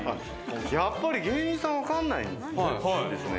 やっぱり芸人さん、わかんないんですね。